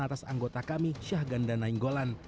atas anggota kami syahgan danenggolan